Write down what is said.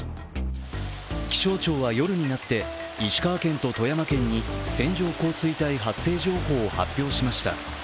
気象庁は夜になって、石川県と富山県に線状降水帯発生情報を発表しました。